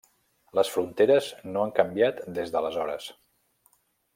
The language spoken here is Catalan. Les fronteres no han canviat des d'aleshores.